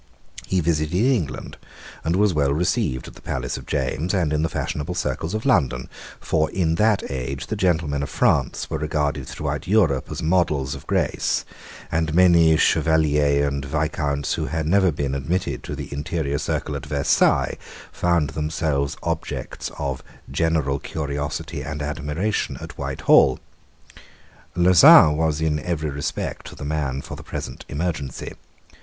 He visited England, and was well received at the palace of James and in the fashionable circles of London; for in that age the gentlemen of France were regarded throughout Europe as models of grace; and many Chevaliers and Viscounts, who had never been admitted to the interior circle at Versailles, found themselves objects of general curiosity and admiration at Whitehall. Lauzun was in every respect the man for the present emergency.